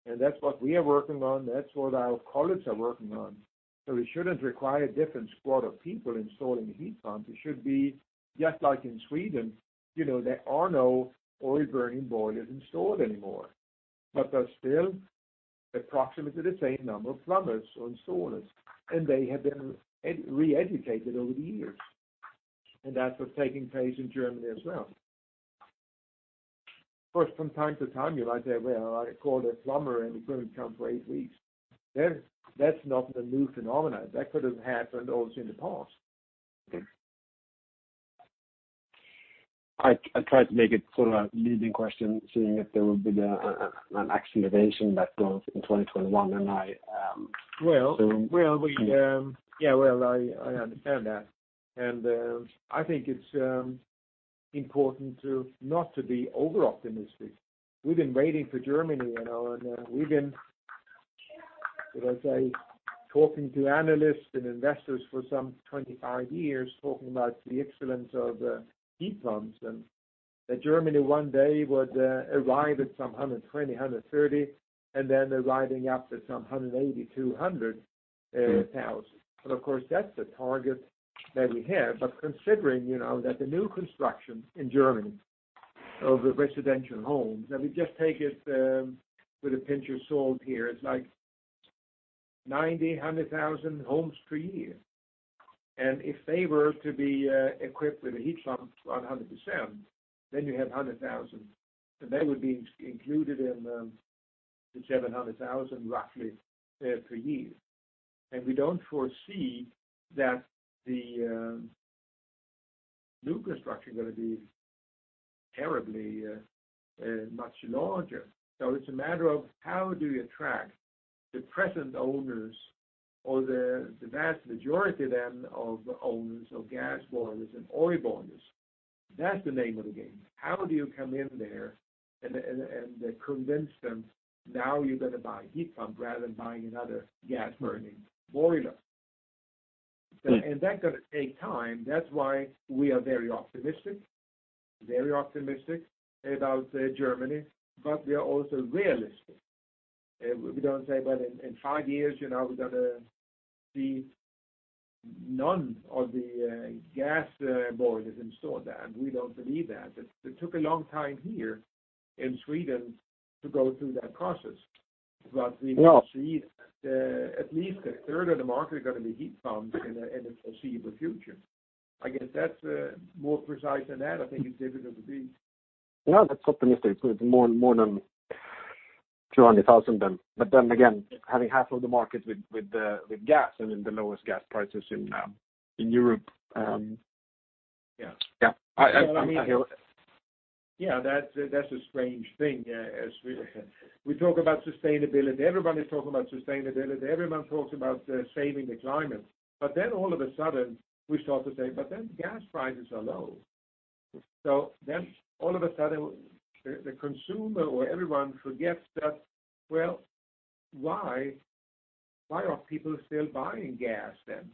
and that's what we are working on, that's what our colleagues are working on. It shouldn't require a different squad of people installing heat pumps. It should be, just like in Sweden, there are no oil-burning boilers installed anymore but there's still approximately the same number of plumbers or installers, and they have been re-educated over the years. That's what's taking place in Germany as well. Of course, from time to time, you might say, "Well, I called a plumber and he couldn't come for eight weeks." That's not the new phenomena. That could have happened also in the past. Okay. I tried to make it sort of a leading question, seeing if there will be an acceleration that goes in 2021. I understand that. I think it's important to not to be over-optimistic. We've been waiting for Germany, and we've been, should I say, talking to analysts and investors for some 25 years, talking about the excellence of heat pumps, and that Germany one day would arrive at some 120,000, 130,000, and then arriving up to some 180,000, 200,000. Of course, that's the target that we have. Considering that the new construction in Germany of the residential homes, let me just take it with a pinch of salt here. It's like 90,000, 100,000 homes per year. If they were to be equipped with a heat pump, 100%, then you have 100,000, and that would be included in the 700,000, roughly, per year. We don't foresee that the new construction going to be terribly much larger. It's a matter of how do you attract the present owners or the vast majority then of owners of gas boilers and oil boilers. That's the name of the game. How do you come in there and convince them now you're going to buy a heat pump rather than buying another gas burning boiler. Right. That going to take time. That's why we are very optimistic about Germany, but we are also realistic. We don't say, "Well, in five years, we're going to see none of the gas boilers installed there." We don't believe that. It took a long time here in Sweden to go through that process. Yeah. At least 1/3 of the market are going to be heat pumps in the foreseeable future. I guess that's more precise than that, I think it's difficult to beat. No, that's optimistic. It's more than 200,000 then. Again, having half of the market with gas and then the lowest gas prices in Europe. Yeah. Yeah. I hear. Yeah, that's a strange thing. We talk about sustainability. Everybody's talking about sustainability. Everyone talks about saving the climate. All of a sudden, we start to say, "But then, gas prices are low." All of a sudden, the consumer or everyone forgets that, why are people still buying gas then?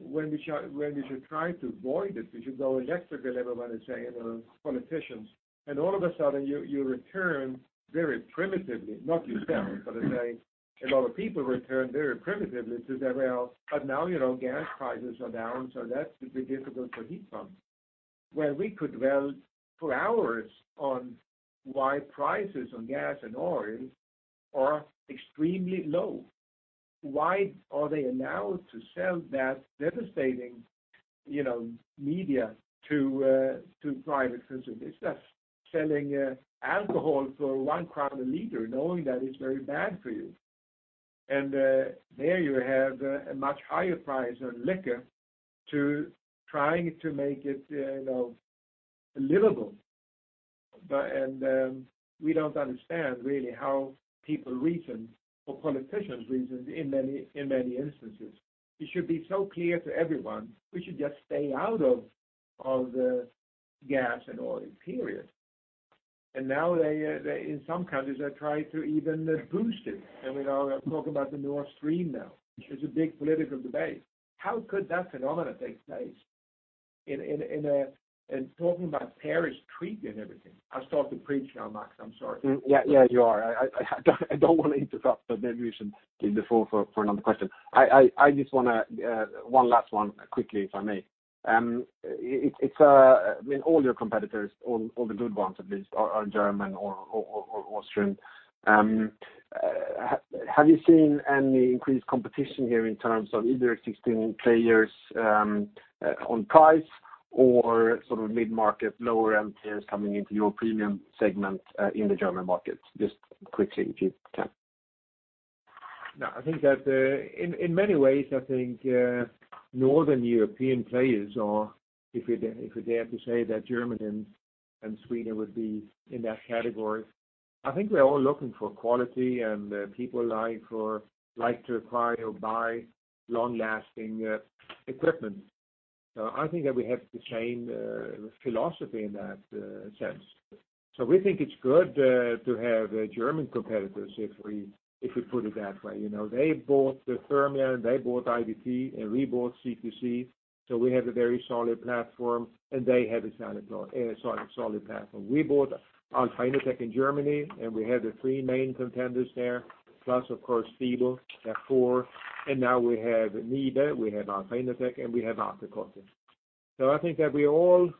When we should try to avoid it, we should go electrical, everyone is saying, the politicians. All of a sudden, you return very primitively, not yourself, but a lot of people return very primitively to that, but now gas prices are down, so that could be difficult for heat pumps. We could dwell for hours on why prices on gas and oil are extremely low. Why are they allowed to sell that devastating media to private consumers? It's like selling alcohol for on SEK 1/L, knowing that it's very bad for you. There you have a much higher price on liquor to trying to make it livable. We don't understand really how people reason or politicians reason in many instances. It should be so clear to everyone we should just stay out of the gas and oil, period. Now in some countries, they try to even boost it. We are talking about the Nord Stream now, which is a big political debate. How could that phenomenon take place? Talking about Paris Treaty and everything. I'll stop to preach now, Max, I'm sorry. Yeah, you are. I don't want to interrupt, but maybe we should leave the floor for another question. I just want one last one quickly, if I may. All your competitors, all the good ones at least, are German or Austrian. Have you seen any increased competition here in terms of either existing players on price or mid-market, lower-end players coming into your premium segment in the German market? Just quickly, if you can. No, in many ways, I think Northern European players are, if we dare to say that German and Sweden would be in that category. I think we're all looking for quality, and people like to acquire or buy long-lasting equipment. I think that we have the same philosophy in that sense. We think it's good to have German competitors, if we put it that way. They bought Thermia, and they bought IVT, and we bought CTC. We have a very solid platform, and they have a solid platform. We bought Alpha Innotec in Germany, and we have the three main contenders there. Plus, of course, Stiebel, they're four. Now we have NIBE, we have Alpha Innotec, and we have WATERKOTTE. I think that we're all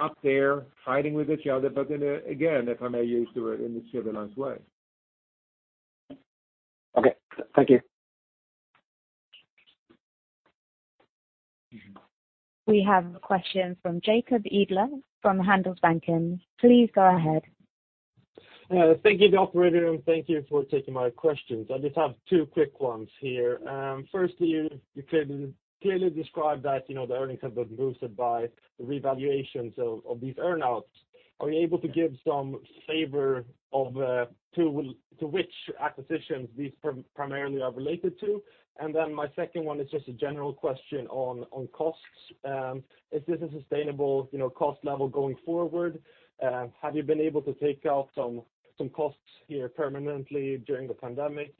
up there fighting with each other. Again, if I may use the word, in a civilized way. Okay. Thank you. We have a question from Jacob Edler from Handelsbanken. Please go ahead. Thank you, operator, and thank you for taking my questions. I just have two quick ones here. You clearly described that the earnings have been boosted by the revaluations of these earn-outs. Are you able to give some flavor to which acquisitions these primarily are related to? My second one is just a general question on costs. Is this a sustainable cost level going forward? Have you been able to take out some costs here permanently during the pandemic?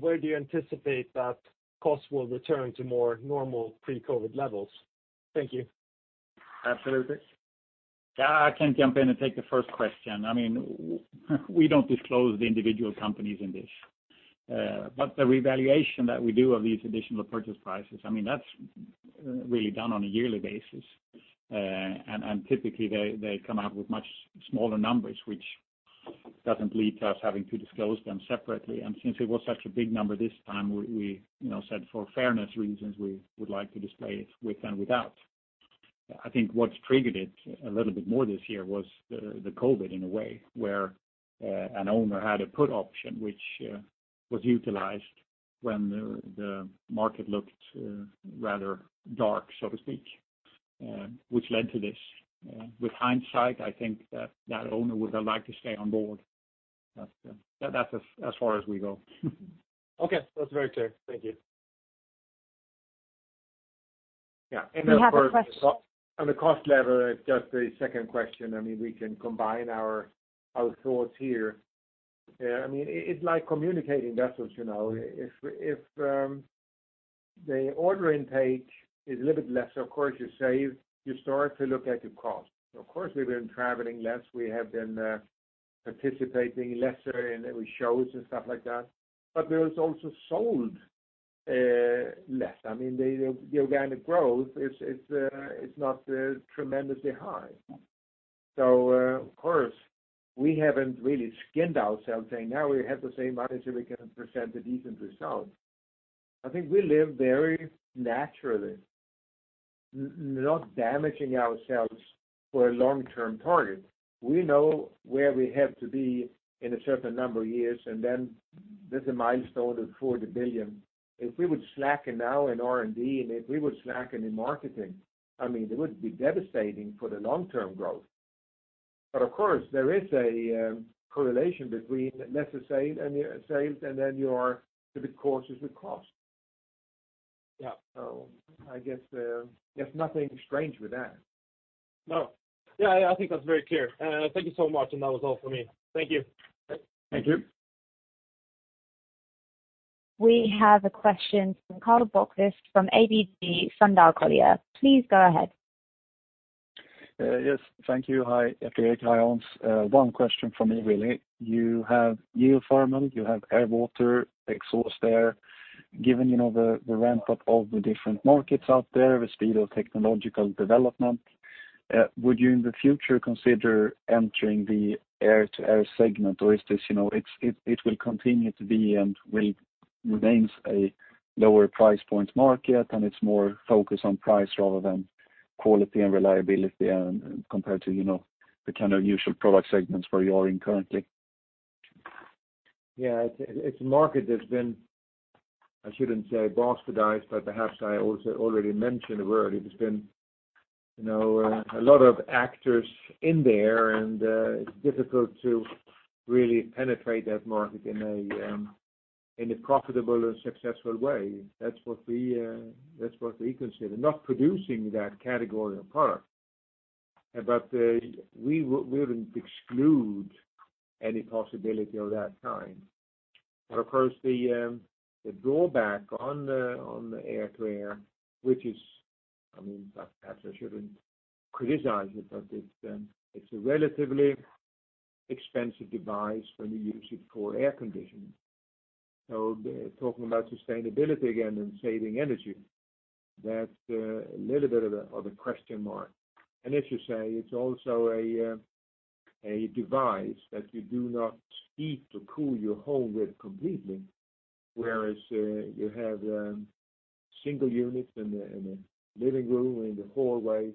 Where do you anticipate that costs will return to more normal pre-COVID levels? Thank you. Absolutely. I can jump in and take the first question. We don't disclose the individual companies in this. The revaluation that we do of these additional purchase prices, that's really done on a yearly basis. Typically, they come out with much smaller numbers, which doesn't lead to us having to disclose them separately. Since it was such a big number this time, we said for fairness reasons, we would like to display it with and without. I think what's triggered it a little bit more this year was the COVID in a way, where an owner had a put option, which was utilized when the market looked rather dark, so to speak, which led to this. With hindsight, I think that that owner would have liked to stay on board. That's as far as we go. Okay, that's very clear. Thank you. Yeah. We have a question. On the cost level, just the second question, we can combine our thoughts here. It's like communicating vessels. If the order intake is a little bit less, of course, you save, you start to look at your cost. Of course, we've been traveling less. We have been participating lesser in shows and stuff like that. There is also sold less. The organic growth is not tremendously high. Of course, we haven't really skinned ourselves saying, now we have the same money, so we can present a decent result. I think we live very naturally, not damaging ourselves for a long-term target. We know where we have to be in a certain number of years, and then there's a milestone of 40 billion. If we would slacken now in R&D, and if we would slacken in marketing, it would be devastating for the long-term growth. Of course, there is a correlation between lesser saved and then your specific courses with cost. Yeah. I guess there's nothing strange with that. No. Yeah, I think that's very clear. Thank you so much. That was all for me. Thank you. Thank you. We have a question from Karl Bokvist from ABG Sundal Collier. Please go ahead. Yes. Thank you. Hi, Gerteric. Hi, Hans. One question from me, really. You have [geothermal], you have air-water, exhaust air. Given the ramp-up of the different markets out there, the speed of technological development, would you, in the future, consider entering the air-to-air segment, or it will continue to be and will remain a lower price point market, and it's more focused on price rather than quality and reliability compared to the kind of usual product segments where you are in currently? Yeah. It's a market that's been, I shouldn't say bastardized, but perhaps I also already mentioned a word. There's been a lot of actors in there, and it's difficult to really penetrate that market in a profitable and successful way. That's what we consider, not producing that category of product, we wouldn't exclude any possibility of that kind. Of course, the drawback on the air-to-air, which perhaps I shouldn't criticize it, but it's a relatively expensive device when you use it for air conditioning. Talking about sustainability again and saving energy, that's a little bit of a question mark. As you say, it's also a device that you do not heat or cool your home with completely, whereas you have single units in the living room, in the hallway.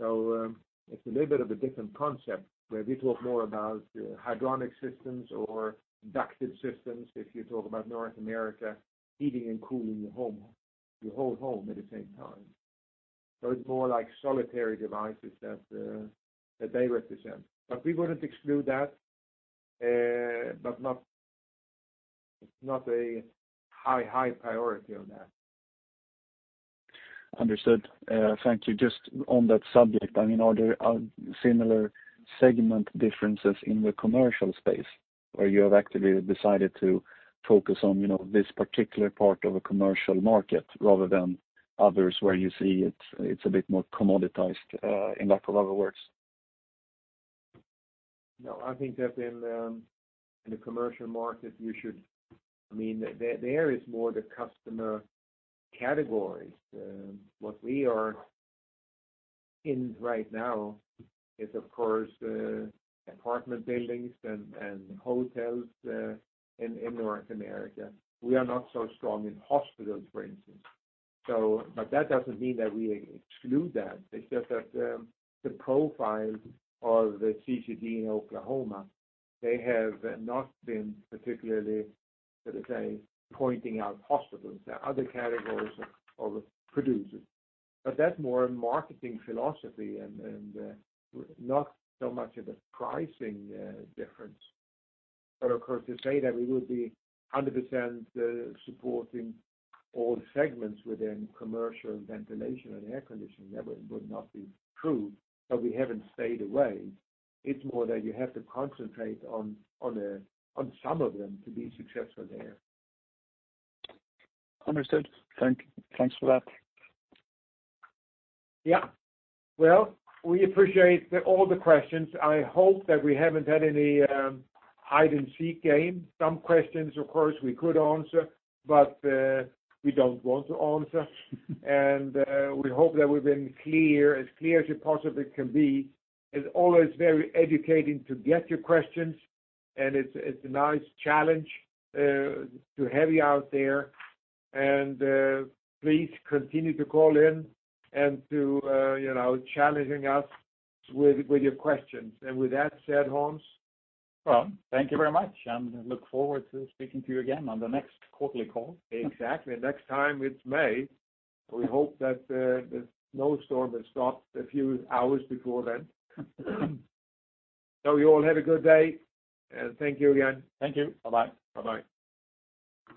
It's a little bit of a different concept, where we talk more about hydronic systems or ducted systems, if you talk about North America, heating and cooling your whole home at the same time. It's more like solitary devices that they represent. We wouldn't exclude that but not a high priority on that. Understood. Thank you. Just on that subject, are there similar segment differences in the commercial space where you have actively decided to focus on this particular part of a commercial market rather than others where you see it's a bit more commoditized, in lack of other words? No. I think that in the commercial market, there is more the customer categories. What we are in right now is, of course, apartment buildings and hotels in North America. We are not so strong in hospitals, for instance. That doesn't mean that we exclude that. It's just that the profile of the CCG in Oklahoma, they have not been particularly, let us say, pointing out hospitals. There are other categories of producers. That's more a marketing philosophy and not so much of a pricing difference. Of course, to say that we would be 100% supporting all the segments within commercial ventilation and air conditioning, that would not be true. We haven't stayed away. It's more that you have to concentrate on some of them to be successful there. Understood. Thanks for that. Yeah. Well, we appreciate all the questions. I hope that we haven't had any hide and seek game. Some questions, of course, we could answer, but we don't want to answer. We hope that we've been as clear as we possibly can be. It's always very educating to get your questions, and it's a nice challenge to have you out there. Please continue to call in and to challenging us with your questions. With that said, Hans? Well, thank you very much. I look forward to speaking to you again on the next quarterly call. Exactly. Next time, it's May. We hope that the snowstorm has stopped a few hours before then. You all have a good day, and thank you again. Thank you. Bye-bye. Bye-bye.